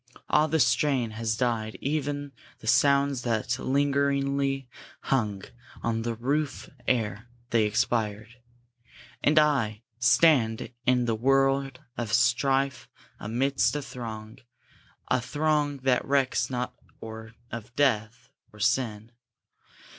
Ah, the strain Has died ev'n the last sounds that lingeringly Hung on the roof ere they expired! And I, Stand in the world of strife, amidst a throng, A throng that recks not or of death, or sin!